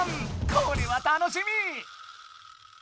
これは楽しみ！